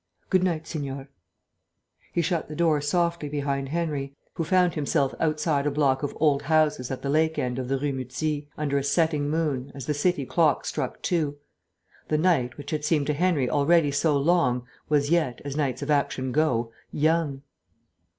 Good night, Signore." He shut the door softly behind Henry, who found himself outside a block of old houses at the lake end of the Rue Muzy, under a setting moon, as the city clocks struck two. The night, which had seemed to Henry already so long, was yet, as nights of action go, young.